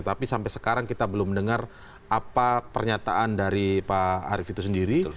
tapi sampai sekarang kita belum mendengar apa pernyataan dari pak arief itu sendiri